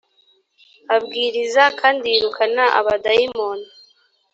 abwiriza kandi yirukana abadayimoni